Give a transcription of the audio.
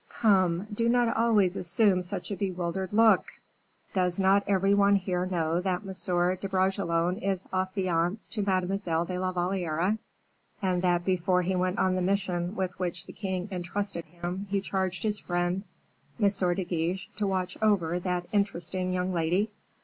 "Come, do not always assume such a bewildered look. Does not every one here know that M. de Bragelonne is affianced to Mademoiselle de la Valliere, and that before he went on the mission with which the king intrusted him, he charged his friend M. de Guiche to watch over that interesting young lady?"